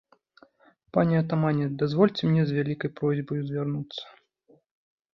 Пане атамане, дазвольце мне з вялікай просьбаю звярнуцца!